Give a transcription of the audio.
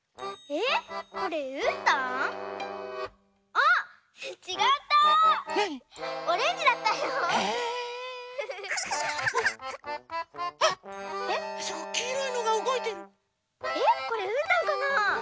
えっこれうーたんかな？